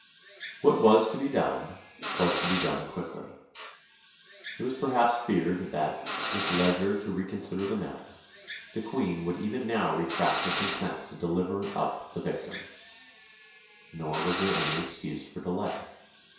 What was to be done was to be done quickly. It was perhaps feared that, with leisure to reconsider the matter, the Queen would even now retract her consent to deliver up the victim; nor was there any excuse for delay.